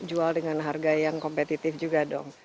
jual dengan harga yang kompetitif juga dong